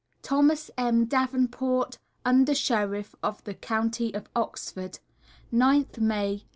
THOMAS M. DAVENPORT, Under Sheriff of the County of Oxford. 9th May, 1887.